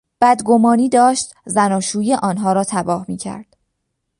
بدگمانی داشت زناشویی آنها را تباه میکرد.